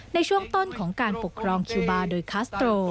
ในช่วงต้นของการปกครองคิวบาร์โดยคัสโตร